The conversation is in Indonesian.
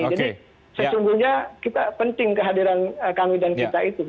jadi sesungguhnya penting kehadiran kami dan kita itu